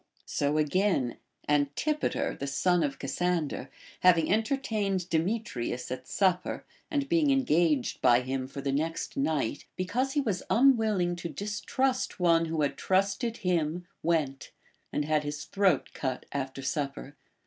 So again, Antipater, the son of Cassander, having entertained Demetrius at supper, and being engaged by him for the next night, because he was unwilling to distrust one who had trusted him, went, and had his throat cut after supper.